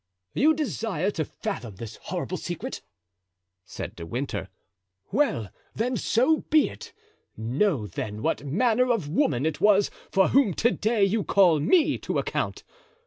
"You desire to fathom this horrible secret?" said De Winter; "well, then, so be it. Know, then, what manner of woman it was for whom to day you call me to account.